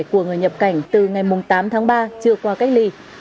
của người nhập cảnh từ ngày tám tháng ba chưa qua cách ly